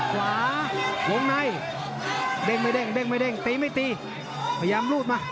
ขวาลงในเด้งไม่เด้งไม่ตีพยายามรูดไว้